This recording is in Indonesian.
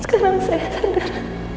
sekarang saya sadar